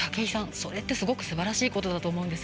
それって、すごくすばらしいことだと思うんです。